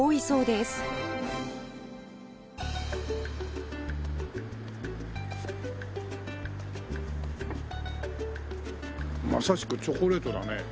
そうですね。